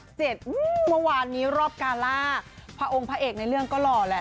เมื่อวานนี้รอบการ่าพระองค์พระเอกในเรื่องก็หล่อแหละ